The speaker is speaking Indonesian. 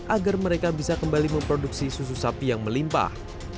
agar mereka bisa kembali memproduksi susu sapi yang melimpah